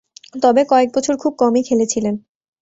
তবে, কয়েকবছর খুব কমই খেলেছিলেন।